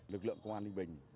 lực lượng công an ninh bình